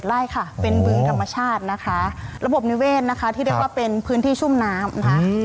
ไล่ค่ะเป็นบึงธรรมชาตินะคะระบบนิเวศนะคะที่เรียกว่าเป็นพื้นที่ชุ่มน้ำนะคะ